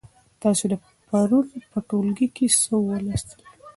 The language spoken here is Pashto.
تاسې پرون په ټولګي کې څه ولوستل؟